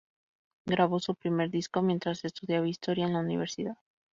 Grabó su primer disco mientras estudiaba Historia en la universidad.